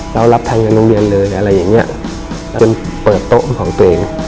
เรารับแทนเงินโรงเรียนเลยอะไรอย่างเงี้ยแล้วมันเปิดโต๊ะเป็นของตัวเอง